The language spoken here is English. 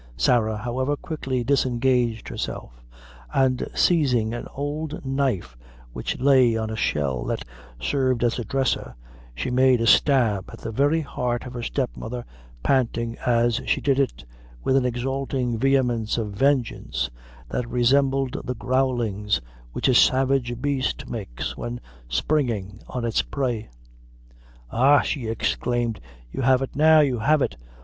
Sarah, however, quickly disengaged herself, and seizing an old knife which lay on a shell that served as a dresser, she made a stab at the very heart of her step mother, panting as she did it with an exulting vehemence of vengeance that resembled the growlings which a savage beast makes when springing on its prey. "Ha!" she exclaimed, "you have it now you have it!